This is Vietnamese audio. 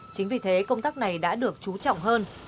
chính vì thế công tác này đã được chú trọng hơn